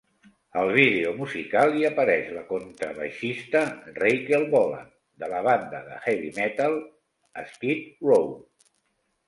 Al vídeo musical hi apareix la contrabaixista Rachel Bolan de la banda de heavy metal Skid Row.